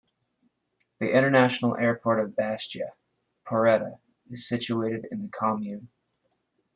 The international airport of Bastia - Poretta is situated in the commune.